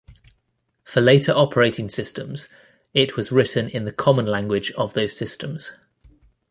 For later operating systems it was written in the common language of those systems.